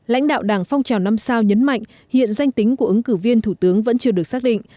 lãnh đạo đảng phong trào năm sao nhấn mạnh hiện danh tính của ứng cử viên thủ tướng vẫn chưa được xác định